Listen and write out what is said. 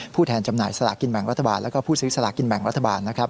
แทนจำหน่ายสลากินแบ่งรัฐบาลแล้วก็ผู้ซื้อสลากินแบ่งรัฐบาลนะครับ